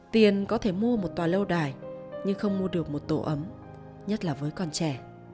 tiền có thể mua một tòa lâu đài nhưng không mua được một tổ ấm nhất là với con trẻ